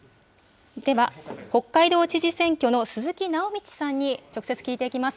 では、北海道知事選挙の鈴木直道さんに直接聞いていきます。